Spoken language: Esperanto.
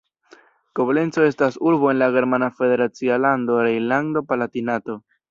Koblenco estas urbo en la germana federacia lando Rejnlando-Palatinato.